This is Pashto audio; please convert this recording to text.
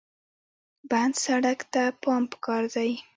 بند سړک ته پام پکار دی.